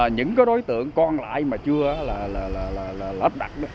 những đối tượng còn lại mà chưa lắp đặt